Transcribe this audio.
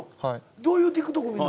どういうＴｉｋＴｏｋ見るの？